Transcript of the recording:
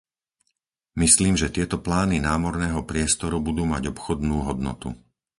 Myslím, že tieto plány námorného priestoru budú mať obchodnú hodnotu.